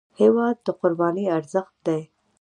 هېواد د قربانۍ ارزښت دی.